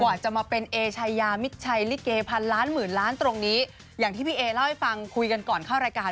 จะมาเป็นเอชายามิดชัยลิเกพันล้านหมื่นล้านตรงนี้อย่างที่พี่เอเล่าให้ฟังคุยกันก่อนเข้ารายการ